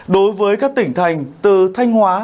đối với các tỉnh thành từ thanh hóa